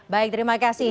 baik terima kasih